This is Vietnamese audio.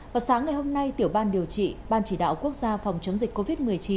vào sáng ngày hôm nay tiểu ban điều trị ban chỉ đạo quốc gia phòng chống dịch covid một mươi chín